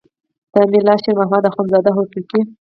د ملا شیر محمد اخوندزاده هوتکی.